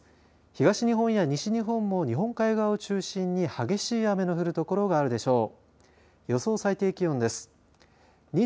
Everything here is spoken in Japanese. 東日本や西日本も日本海側を中心に激しい雨の降る所があるでしょう。